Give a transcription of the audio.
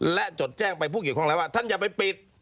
และจดแจ้งไปผู้เกี่ยวข้องแล้วว่าท่านอย่าไปปิด